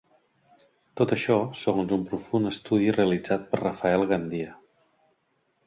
Tot això segons un profund estudi realitzat per Rafael Gandia.